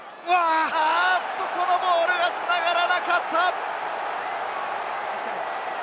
このボールは繋がらなかった。